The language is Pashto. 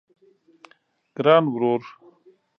ګران ورور